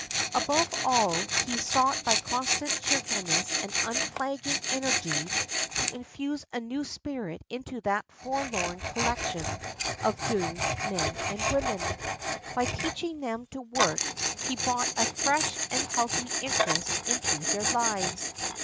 Above all, he sought by constant cheerfulness and unflagging energy to infuse a new spirit into that forlorn collection of doomed men and women. By teaching them to work he brought a fresh and healthy interest into their lives.